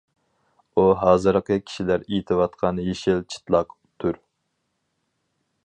ئۇ ھازىرقى كىشىلەر ئېيتىۋاتقان «يېشىل چىتلاق» تۇر.